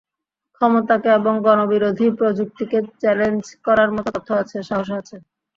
ক্ষমতাকে এবং গণবিরোধী প্রযুক্তিকে চ্যালেঞ্জ করার মতো তথ্য আছে, সাহসও আছে।